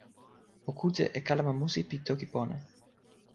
o kute e kalama musi pi toki pona!